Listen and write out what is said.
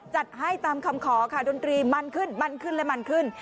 จัดให้ตามคำขอค่ะดนตรีมันขึ้นมันขึ้นและมันขึ้น